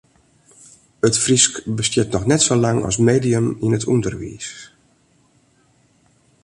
It Frysk bestiet noch net sa lang as medium yn it ûnderwiis.